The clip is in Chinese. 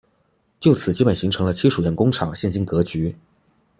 就此基本形成了戚墅堰工厂现今格局。